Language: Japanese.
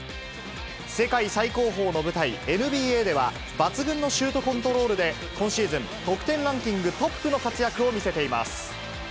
世界最高峰の舞台、ＮＢＡでは、抜群のシュートコントロールで、今シーズン、得点ランキングトップの活躍を見せています。